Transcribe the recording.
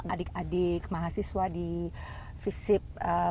adik adik mahasiswa di visip